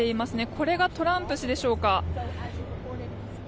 これがトランプ氏でしょうか。